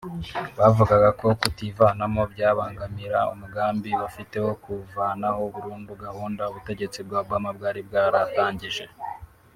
Bavugaga ko kutivanamo byabangamira umugambi bafite wo kuvanaho burundu gahunda ubutegetsi bwa Obama bwari bwaratangije